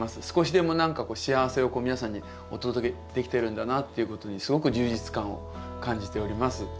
少しでも何か幸せを皆さんにお届けできてるんだなっていうことにすごく充実感を感じております。